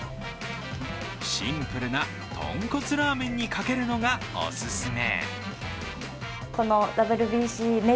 シンプルなとんこつラーメンにかけるのがおすすめ。